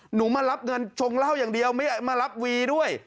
หนูมารับเงินชงเหล้าอย่างเดียวไม่มารับวีด้วย